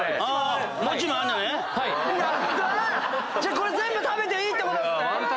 これ食べていいってことですね